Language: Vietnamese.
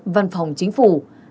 văn phòng chính phủ